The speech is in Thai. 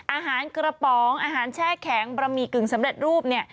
อาหารกระป๋องอาหารแช่แข็งบะหมี่กึ่งสำเร็จรูปเนี่ย